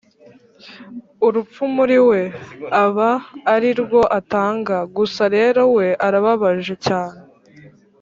urupfu muri we, aba ari rwo atanga ; gusa rero we arababaje cyane